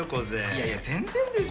いやいや全然ですよ。